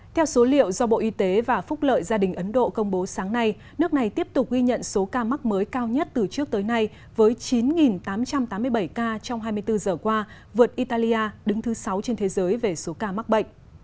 theo số liệu do bộ y tế và phúc lợi gia đình ấn độ công bố sáng nay nước này tiếp tục ghi nhận số ca mắc mới cao nhất từ trước tới nay với chín tám trăm tám mươi bảy ca trong hai mươi bốn giờ qua vượt italia đứng thứ sáu trên thế giới về số ca mắc bệnh